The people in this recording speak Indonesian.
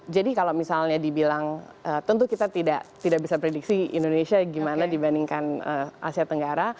jadi kalau misalnya dibilang tentu kita tidak bisa prediksi indonesia gimana dibandingkan asia tenggara